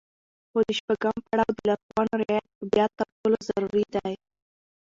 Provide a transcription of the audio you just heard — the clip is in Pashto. خو د شپږم پړاو د لارښوونو رعايت بيا تر ټولو ضروري دی.